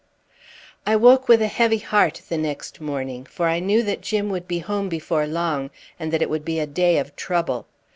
I woke with a heavy heart the next morning, for I knew that Jim would be home before long, and that it would be a day of trouble.